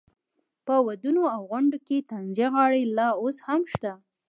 په ودونو او غونډو کې طنزیه غاړې لا اوس هم شته.